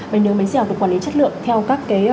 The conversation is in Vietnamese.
bánh nướng và bánh dẻo được quản lý chất lượng theo các